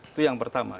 itu yang pertama